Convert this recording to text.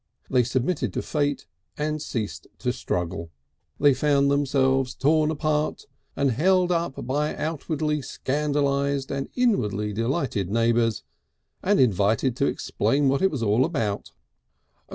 They submitted to fate and ceased to struggle. They found themselves torn apart and held up by outwardly scandalised and inwardly delighted neighbours, and invited to explain what it was all about.